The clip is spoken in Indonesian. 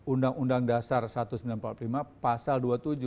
undang undang dasar seribu sembilan ratus empat puluh lima pasal dua puluh tujuh